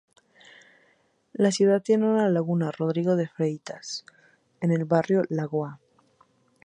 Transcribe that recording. La ciudad tiene una laguna, Rodrigo de Freitas, en el barrio Lagoa.